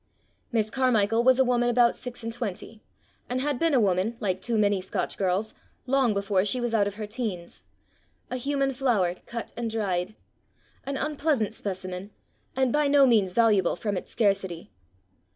Miss Carmichael was a woman about six and twenty and had been a woman, like too many Scotch girls, long before she was out of her teens a human flower cut and dried an unpleasant specimen, and by no means valuable from its scarcity.